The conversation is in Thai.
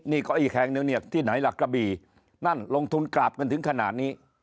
นี่ก็อีกแห่งหนึ่งเนี่ยที่ไหนล่ะกระบีนั่นลงทุนกราบกันถึงขนาดนี้